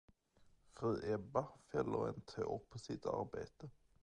Fru Ebba fäller en tår på sitt arbete.